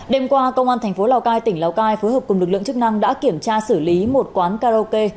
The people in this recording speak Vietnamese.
đêm qua công an thành phố lào cai tỉnh lào cai phối hợp cùng lực lượng chức năng đã kiểm tra xử lý một quán karaoke